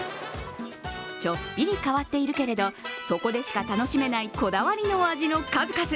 ちょっぴり変わってるいるけれど、そこでしか楽しめないこだわりの味の数々。